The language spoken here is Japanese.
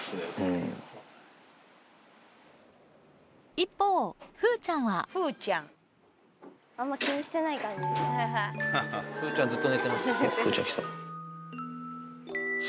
一方風ちゃんは風ちゃんずっと寝てます。